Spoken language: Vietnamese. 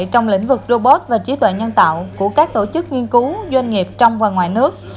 trong lĩnh vực robot và trí tuệ nhân tạo của các tổ chức nghiên cứu doanh nghiệp trong và ngoài nước